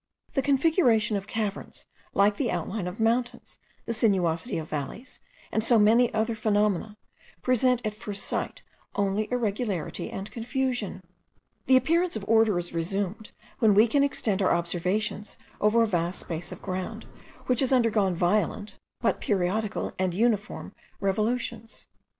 The configuration of caverns, like the outline of mountains, the sinuosity of valleys, and so many other phenomena, present at first sight only irregularity and confusion. The appearance of order is resumed, when we can extend our observations over a vast space of ground, which has undergone violent, but periodical and uniform revolutions.